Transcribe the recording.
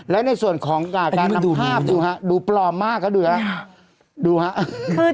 และในส่วนของการนำภาพดูฮะดูปลอมมากอะดูฮะดูฮะอันนี้มันดูเหมือน